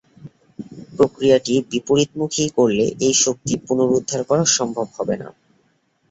প্রক্রিয়াটি বিপরীতমুখী করলে এই শক্তি পুনরুদ্ধার করা সম্ভব হবে না।